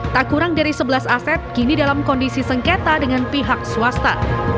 tak kurang dari sebelas aset kini dalam kondisi sengketa dengan pihak swasta